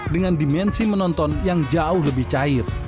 dengan dimensi menonton yang jauh lebih cair